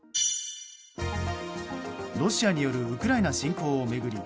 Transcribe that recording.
ロシアによるウクライナ侵攻を巡り